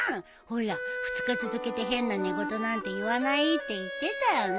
ほら二日続けて変な寝言なんて言わないって言ってたよね。